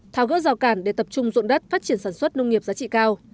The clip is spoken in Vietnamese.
thảo gỡ rào cản để tập trung ruộng đất phát triển sản xuất nông nghiệp giá trị cao